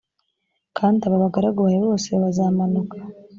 kandi aba bagaragu bawe bose bazamanuka